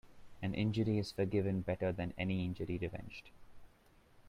An injury is forgiven better than an injury revenged.